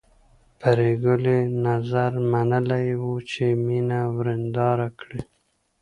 پري ګلې نذر منلی و چې مینه ورېنداره کړي